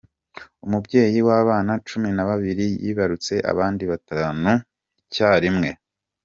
Umubyeyi w’abana Cumi nababiri yibarutse abandi Batanu icyarimwe